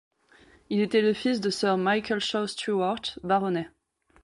Il était le fils de Sir Michael Shaw-Stewart, baronnet.